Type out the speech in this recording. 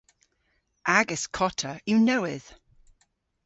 Agas kota yw nowydh.